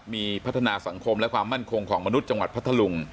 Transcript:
มีพัฒนาสังคมและความมั่นคงของมนุษย์จังหวัดพัทธลุง